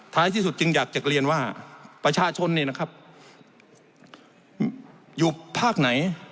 ท้ายที่สุดจึงอยากจะเรียนว่าประชาชนอยู่ภาคไหน